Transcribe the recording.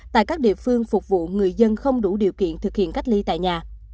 tại các địa phương phục vụ người dân không đủ điều kiện thực hiện cách ly tại nhà